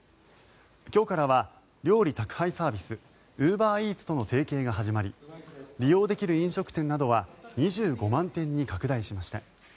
今日からは料理宅配サービスウーバーイーツとの提携が始まり利用できる飲食店などは２５万店に拡大しました。